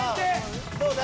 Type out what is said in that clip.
どうだ？